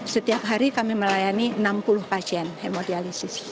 setiap hari kami melayani enam puluh pasien hemodialisis